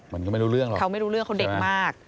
มันก็ไม่รู้เรื่องหรอกเขาไม่รู้เรื่องเขาเด็กมาก